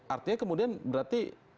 artinya kemudian berarti